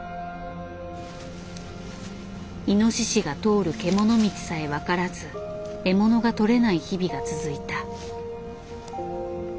イノシシが通るけもの道さえ分からず獲物が捕れない日々が続いた。